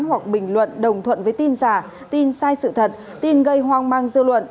hoặc bình luận đồng thuận với tin giả tin sai sự thật tin gây hoang mang dư luận